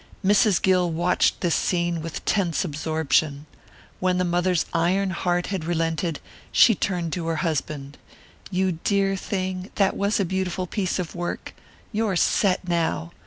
Mrs. Gill watched this scene with tense absorption. When the mother's iron heart had relented she turned to her husband. "You dear thing, that was a beautiful piece of work. You're set now.